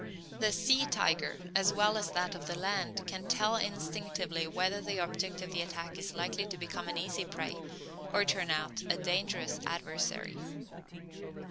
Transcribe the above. The sea tiger, as well as that of the land, can tell instinctively whether the object of its attack is likely to become an easy prey, or turn out a dangerous adversary.